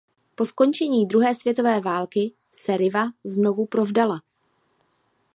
Po skončení druhé světové války se Riva znovu provdala.